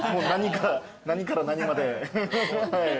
何から何まで。